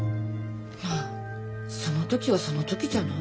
まぁその時はその時じゃない？